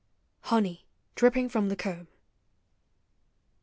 HONEY DRIPPING FROM THE COMB.